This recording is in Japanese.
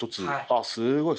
あっすごい。